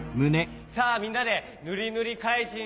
さあみんなでぬりぬりかいじん